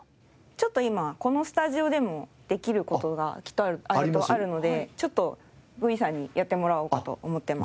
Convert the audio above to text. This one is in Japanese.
ちょっと今このスタジオでもできる事がきっとあるのでちょっとＶＥさんにやってもらおうかと思ってます。